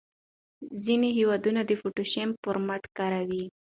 ځینې هېوادونه پوټاشیم برومیټ کاروي.